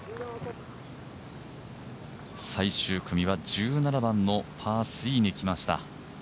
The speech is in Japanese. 最終組は１７番のパー３にきました。